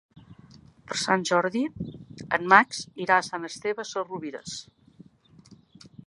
Per Sant Jordi en Max irà a Sant Esteve Sesrovires.